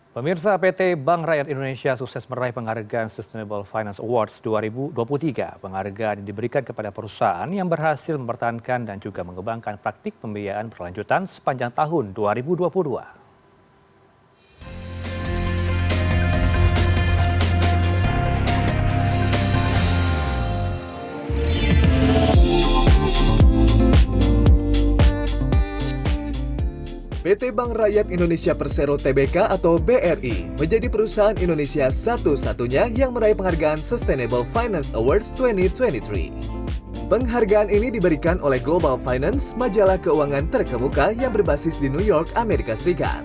pemirsa pt bank rakyat indonesia sukses meraih penghargaan sustainable finance awards dua ribu dua puluh tiga